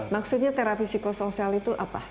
maksudnya terapi psikosoial itu apa